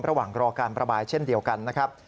ระหว่างรอการประบายเช่นเดียวกันนะครับ